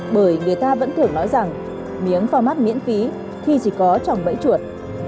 bởi người ta vẫn thường nói rằng miếng format miễn phí thì chỉ có tròng bẫy chuột